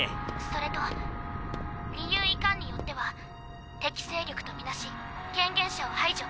それと理由いかんによっては敵勢力とみなし権限者を排除。